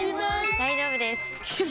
大丈夫です！